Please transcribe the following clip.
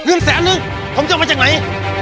เงินแสนหนึ่งทำเจ้ามาจากไหน